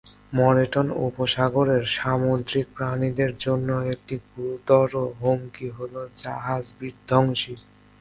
Moreton উপসাগরের সামুদ্রিক প্রাণীদের জন্য একটি গুরুতর হুমকি হল জাহাজ-বিধ্বংসী।